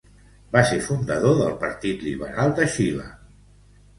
Va ser fundador del Partit Liberal de Xile.